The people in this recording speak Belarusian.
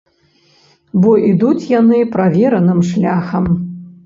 Бо ідуць яны правераным шляхам.